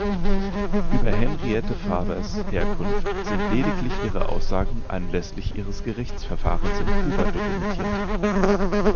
Über Henriette Fabers Herkunft sind lediglich ihre Aussagen anlässlich ihres Gerichtsverfahrens in Kuba dokumentiert.